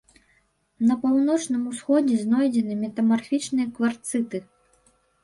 На паўночным усходзе знойдзены метамарфічныя кварцыты.